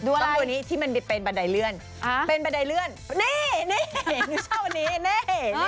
ดูอะไรต้องดูอันนี้ที่มันเป็นบันไดเลื่อนเป็นบันไดเลื่อนนี่นุ้ยชอบอันนี้นี่